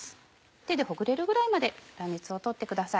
手でほぐれるぐらいまで粗熱を取ってください。